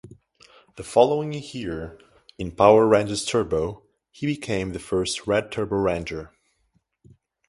The following year in "Power Rangers Turbo", he became the first Red Turbo Ranger.